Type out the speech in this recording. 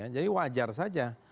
jadi wajar saja